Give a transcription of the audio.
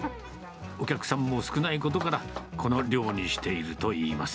お客さんも少ないことから、この量にしているといいます。